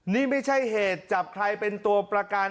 นี่ไม่ใช่เหตุจับใครเป็นตัวประกัน